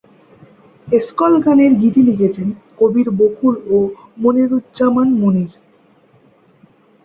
এসকল গানের গীতি লিখেছেন কবীর বকুল ও মনিরুজ্জামান মনির।